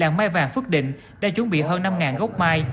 làng mai vàng phước định đã chuẩn bị hơn năm gốc mai